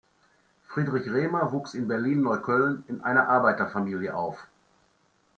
Friedrich Rehmer wuchs in Berlin-Neukölln in einer Arbeiterfamilie auf.